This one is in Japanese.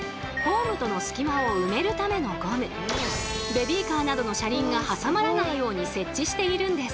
ベビーカーなどの車輪が挟まらないように設置しているんです。